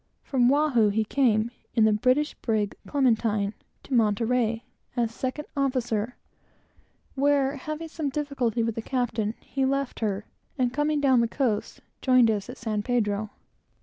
From Oahu, he came, in the British brig Clementine, to Monterey, as second officer, where, having some difficulty with the captain, he left her, and coming down the coast, joined us at San Pedro.